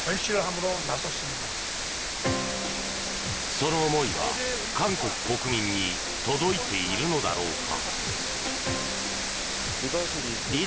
その思いは韓国国民に届いているのだろうか。